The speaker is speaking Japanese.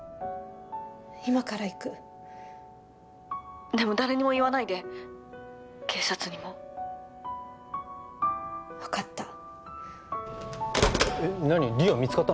今から行く☎でも誰にも言わないで警察にも分かったえっ何莉桜見つかったの？